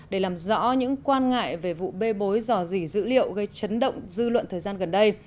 để làm rõ những quan ngại về vụ bê bối rò rỉ dữ liệu gây chấn động dư luận thời gian gần đây